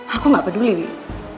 aku gak peduli wih